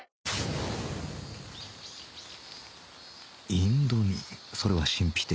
インド煮それは神秘的